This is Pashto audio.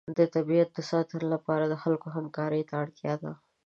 د طبیعت د ساتنې لپاره د خلکو همکارۍ ته اړتیا ده.